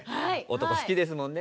男好きですもんね。